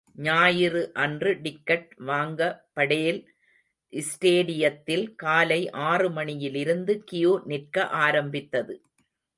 ஞாயிறு அன்று டிக்கட் வாங்க படேல் ஸ்டேடியத்தில் காலை ஆறு மணியிலிருந்து கியூ நிற்க ஆரம்பித்தது.